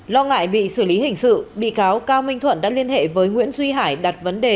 lo ngại bị xử lý hình sự bị cáo cao minh thuận đã liên hệ với nguyễn duy hải đặt vấn đề